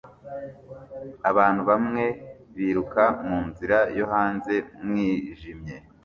Abantu bamwe biruka munzira yo hanze mwijimye